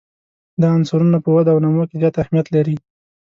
دا عنصرونه په وده او نمو کې زیات اهمیت لري.